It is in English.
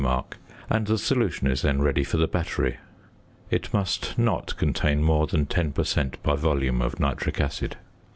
mark, and the solution is then ready for the battery. It must not contain more than 10 per cent. by volume of nitric acid.